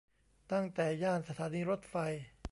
ตั้งแต่ย่านสถานีรถไฟ